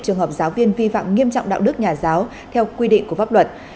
trường hợp giáo viên vi phạm nghiêm trọng đạo đức nhà giáo theo quy định của pháp luật